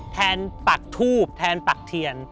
ปักทูบแทนปักเทียน